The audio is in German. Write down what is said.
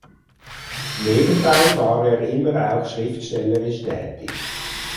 Nebenbei war er immer auch schriftstellerisch tätig.